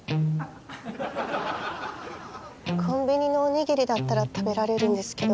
コンビニのおにぎりだったら食べられるんですけど。